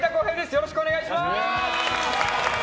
よろしくお願いします！